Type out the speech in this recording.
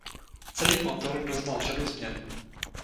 Celý motor doznal řadu změn.